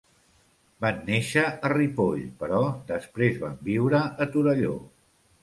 Van néixer a Ripoll, però després van viure a Torelló.